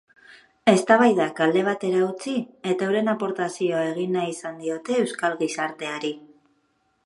Eztabaidak alde batera utzi eta euren aportazioa egin nahi izan diote euskal gizarteari.